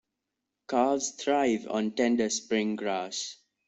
Calves thrive on tender spring grass.